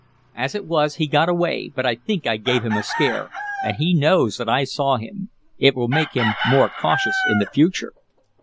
As it was, he got away, but I think I gave him a scare, and he knows that I saw him. It will make him more cautious in the future."